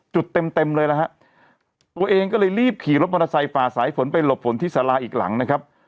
เต็มเต็มเลยนะฮะตัวเองก็เลยรีบขี่รถมอเตอร์ไซค์ฝ่าสายฝนไปหลบฝนที่สาราอีกหลังนะครับ